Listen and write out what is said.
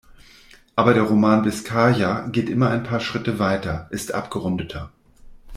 Aber der Roman "Biskaya" geht immer ein paar Schritte weiter, ist abgerundeter.